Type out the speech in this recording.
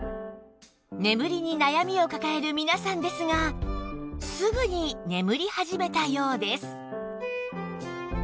眠りに悩みを抱える皆さんですがすぐに眠り始めたようです